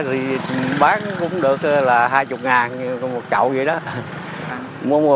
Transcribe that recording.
thì bán cũng được là hai mươi một chậu vậy đó